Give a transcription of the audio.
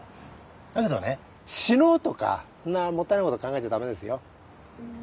だけどね死のうとかそんなもったいないこと考えちゃ駄目ですよ。